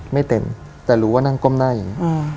ไม่เต็มแต่รู้ว่านั่งก้มหน้าอย่างนี้